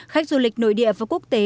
khách du lịch nội địa và quốc tế